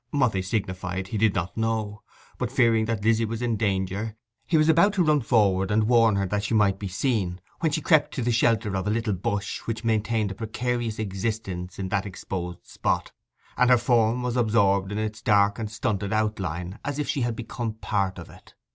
What they signified he did not know; but, fearing that Lizzy was in danger, he was about to run forward and warn her that she might be seen, when she crept to the shelter of a little bush which maintained a precarious existence in that exposed spot; and her form was absorbed in its dark and stunted outline as if she had become part of it.